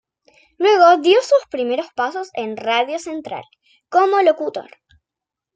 Luego dio sus primeros pasos en "Radio Central" como locutor.